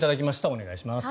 お願いします。